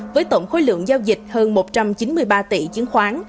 với tổng khối lượng giao dịch hơn một trăm chín mươi ba tỷ chứng khoán